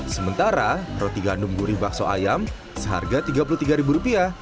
sementara roti gandum gurih bakso ayam seharga rp tiga puluh tiga